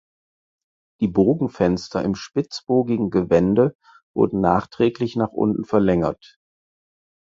Die Bogenfenster im spitzbogigen Gewände wurden nachträglich nach unten verlängert.